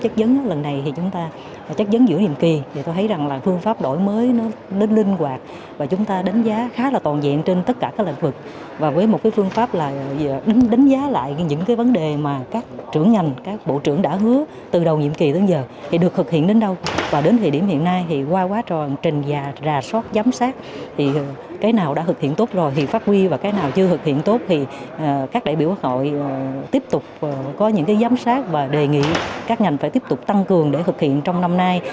thực hiện tốt rồi thì phát huy và cái nào chưa thực hiện tốt thì các đại biểu quốc hội tiếp tục có những giám sát và đề nghị các ngành phải tiếp tục tăng cường để thực hiện trong năm nay